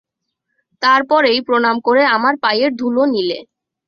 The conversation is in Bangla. তার পরেই প্রণাম করে আমার পায়ের ধুলো নিলে।